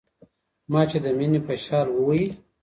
ما چي د ميني په شال ووهي